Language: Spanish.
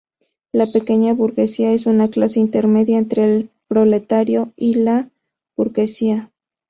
La pequeña burguesía es una clase intermedia entre el proletariado y la burguesía.